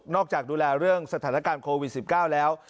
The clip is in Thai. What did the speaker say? จากดูแลเรื่องสถานการณ์โควิด๑๙แล้ว